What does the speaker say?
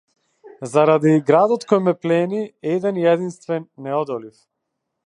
Заради градот кој ме плени - еден и единствен, неодолив.